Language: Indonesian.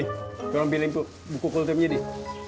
nih dorong pilih buku kultumnya nih